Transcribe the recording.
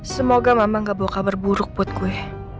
semoga mama gak bawa kabar buruk buat gue